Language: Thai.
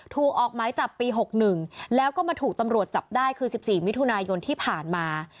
ถูกออกหมายจับปี๖๑แล้วก็มาถูกตำรวจจับได้คือ๑๔มิถุนายนที่ผ่านมา